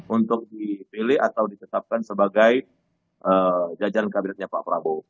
untuk dipilih atau ditetapkan sebagai jajan kabinetnya pak prabowo